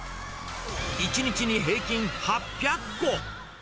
１日に平均８００個。